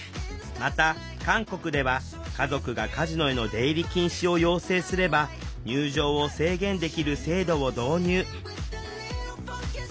また韓国では家族がカジノへの出入り禁止を要請すれば入場を制限できる制度を導入